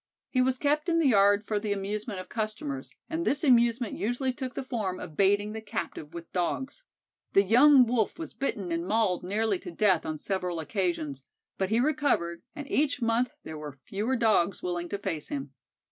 He was kept in the yard for the amusement of customers, and this amusement usually took the form of baiting the captive with Dogs. The young Wolf was bitten and mauled nearly to death on several occasions, but he recovered, and each month there were fewer Dogs willing to face him.